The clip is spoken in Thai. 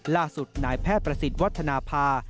ล่าสุดนายแพทย์ประสิทธิ์วัฒนภา